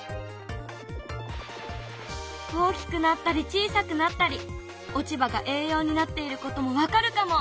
大きくなったり小さくなったり落ち葉が栄養になっていることも分かるかも！